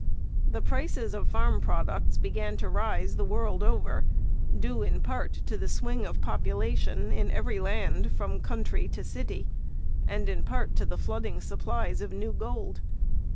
The prices of farm products began to rise the world over, due in part to the swing of population in every land from country to city, and in part to the flooding supplies of new gold.